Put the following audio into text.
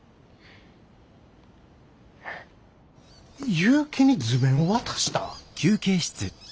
結城に図面を渡した？